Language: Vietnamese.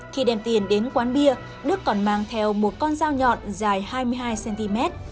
khi đem tiền đến quán bia đức còn mang theo một con dao nhọn dài hai mươi hai cm